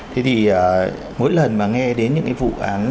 thế thì mỗi lần mà nghe đến những cái vụ án